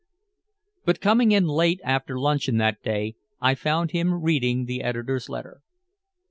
But coming in late after luncheon that day, I found him reading the editor's letter.